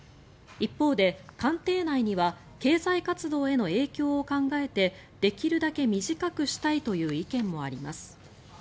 一方で、官邸内には経済活動への影響を考えてできるだけ短くしたいという意見もあります。